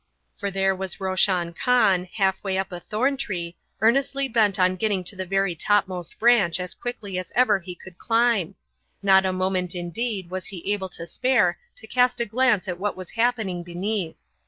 For there was Roshan Khan, half way up a thorn tree, earnestly bent on getting to the very topmost branch as quickly as ever he could climb; not a moment, indeed, was he able to spare to cast a glance at what was happening beneath.